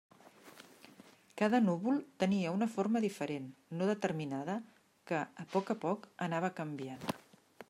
Cada núvol tenia una forma diferent, no determinada, que, a poc a poc, anava canviant.